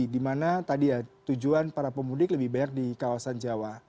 di mana tadi ya tujuan para pemudik lebih banyak di kawasan jawa